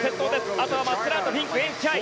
あとはマッチェラートフィンク、エン・シハイ。